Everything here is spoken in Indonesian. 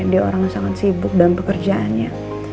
dia orang yang sangat sibuk dalam pekerjaannya